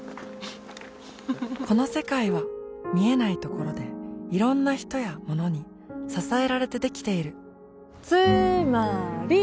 この世界は見えないところでいろんな人やものに支えられてできているつーまーり！